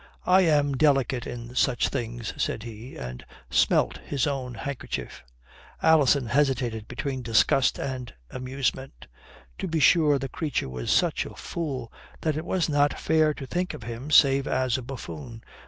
"I am delicate in such things," said he, and smelt his own handkerchief. Alison hesitated between disgust and amusement. To be sure the creature was such a fool that it was not fair to think of him save as a buffoon.